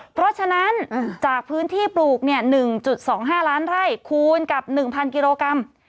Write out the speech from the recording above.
เพราะฉะนั้นจากพื้นที่ปลูก๑๒๕ล้านไร่คูณกับ๑๐๐กิโลกรัม